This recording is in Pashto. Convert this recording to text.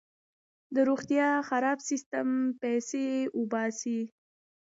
د روغتیا خراب سیستم پیسې وباسي.